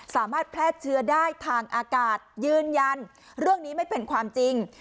สามารถแพร่เชื้อได้ทางอากาศยืนยันเรื่องนี้ไม่เป็นความจริง